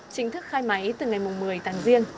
chính thức khai máy từ ngày một mươi tháng riêng